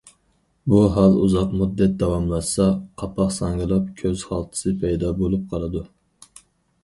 بۇ ھال ئۇزاق مۇددەت داۋاملاشسا، قاپاق ساڭگىلاپ، كۆز خالتىسى پەيدا بولۇپ قالىدۇ.